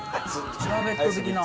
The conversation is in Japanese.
シャーベット的な。